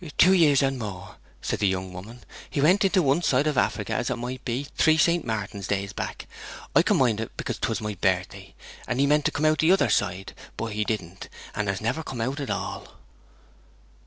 'Two years and more,' said the young woman. 'He went into one side of Africa, as it might be, three St. Martin's days back. I can mind it, because 'twas my birthday. And he meant to come out the other side. But he didn't. He has never come out at all.'